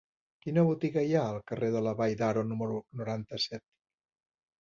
Quina botiga hi ha al carrer de la Vall d'Aro número noranta-set?